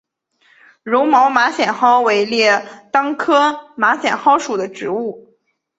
柔毛马先蒿为列当科马先蒿属的植物。